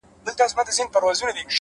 هوښیار انسان احساساتو ته لوری ورکوي,